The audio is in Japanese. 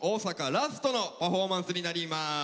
ラストのパフォーマンスになります。